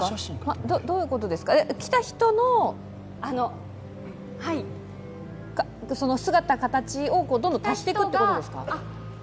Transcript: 来た人の姿形をどんどん足していくということですか？